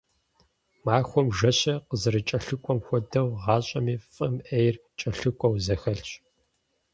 Махуэм жэщыр къызэрыкӀэлъыкӀуэм хуэдэу, гъащӀэми фӀым Ӏейр кӀэлъыкӀуэу зэхэлъщ.